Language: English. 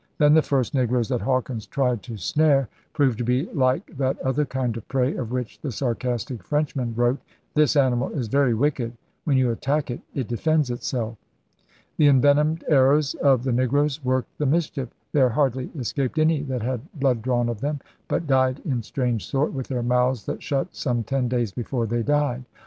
Then the first negroes that Hawkins tried to * snare' proved to be like that other kind of prey of which the sarcastic Frenchman wrote: *This animal is very wicked; when you attack it, it defends itself.' The * envenomed arrows' of the negroes worked the mischief. * There hardly escaped any that had blood drawn of them, but died in strange sort, with their mouths shut some ten days before they died.'